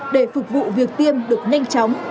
để phục vụ việc tiêm được nhanh chóng